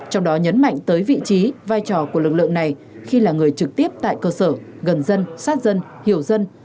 trong đó nhấn mạnh tới vị trí vai trò của lực lượng này khi là người trực tiếp tại cơ sở gần dân sát dân hiểu dân